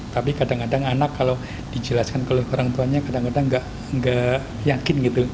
tapi kadang kadang anak kalau dijelaskan oleh orang tuanya kadang kadang nggak yakin gitu